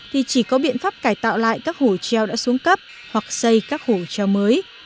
thì chỉ có biện pháp cải tạo lại các hồ treo đã xuống cấp hoặc xây các hồ treo mới